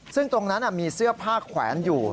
ซึ่งตรงนั้นมีเสื้อผ้าแขวนอยู่